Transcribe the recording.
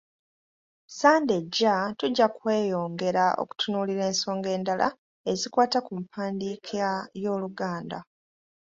Ssande ejja tujja kweyongera okutunuulira ensonga endala ezikwata ku mpandiika y'Oluganda.